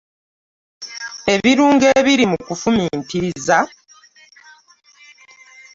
Ebirumgo ebirii ,mu kufumitiriza .